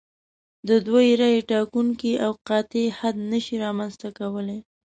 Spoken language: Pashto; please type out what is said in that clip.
د دوی رایې ټاکونکی او قاطع حد نشي رامنځته کولای.